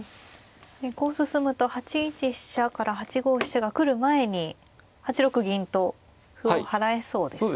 こう進むと８一飛車から８五飛車が来る前に８六銀と歩を払えそうですね。